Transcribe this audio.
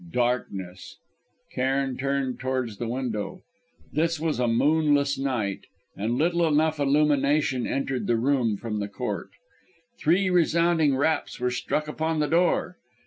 Darkness.... Cairn turned towards the window. This was a moonless night, and little enough illumination entered the room from the court. Three resounding raps were struck upon the door.